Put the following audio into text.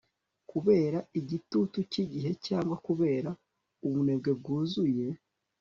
kubera igitutu cyigihe cyangwa kubera ubunebwe bwuzuye